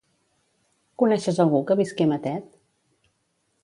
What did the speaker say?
Coneixes algú que visqui a Matet?